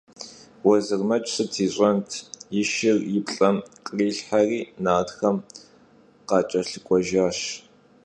Vuezırmec sıt yiş'ent – yi şşır yi plh'em khrilhheri, nartxem khaç'elhık'uejjaş.